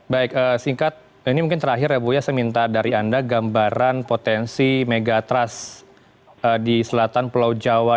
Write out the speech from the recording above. baik singkat ini mungkin terakhir ya bu ya saya minta dari anda gambaran potensi megatrust di selatan pulau jawa